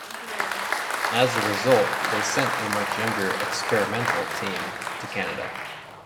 As a result, they sent a much younger, "experimental" team to Canada.